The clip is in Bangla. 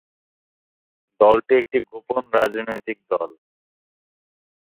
দলটি একটি গোপন রাজনৈতিক দল।